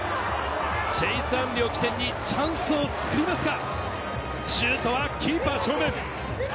チェイス・アンリを起点にチャンスをつくりますが、シュートはキーパー正面。